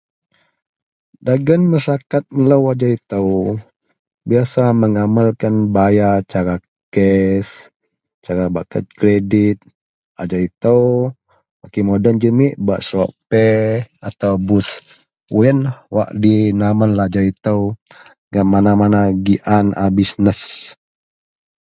Dagen maseraket melou ajau itou biasa mengamelkan bayar cara cash, cara bak kad kredit, ajau itou makin moden jumik, pebak Sarawak Pay atau Boost. Wak yenlah di namel ajau itou gak mana-mana gian a bisnes.